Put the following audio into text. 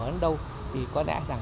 ở đâu thì có lẽ rằng